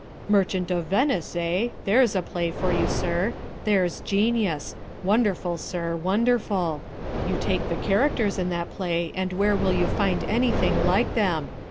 "Merchant of Venice, eh? There's a play for you, sir! There's genius! Wonderful, sir, wonderful! You take the characters in that play and where will you find anything like them?